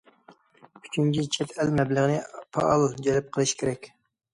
ئۈچىنچى، چەت ئەل مەبلىغىنى پائال جەلپ قىلىش كېرەك.